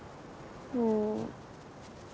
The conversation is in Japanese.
うん。